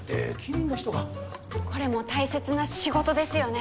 これも大切な仕事ですよね。